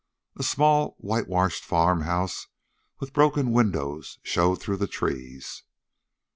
A small, whitewashed farmhouse with broken windows showed through the trees.